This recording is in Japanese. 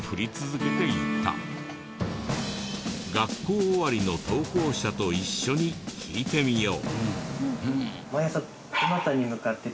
学校終わりの投稿者と一緒に聞いてみよう。